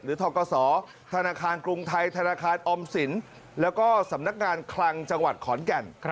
ทกศธนาคารกรุงไทยธนาคารออมสินแล้วก็สำนักงานคลังจังหวัดขอนแก่น